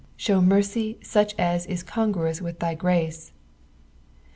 Show mercy such as is coogruous with tliy grace.